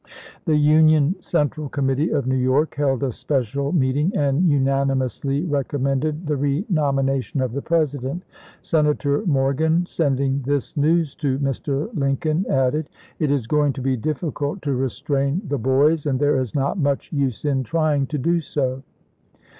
The Union Central Committee of New York held a special meeting, and unanimously recom mended the renomination of the President. Sena tor Morgan, sending this news to Mr. Lincoln, added: "It is going to be difficult to restrain the ,,...., Jan. 4, 1864. boys, and there is not much use m trying to do so."